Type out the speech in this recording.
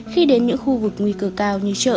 khi đến những khu vực nguy cơ cao như chợ